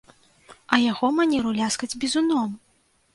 А яго манеру ляскаць бізуном!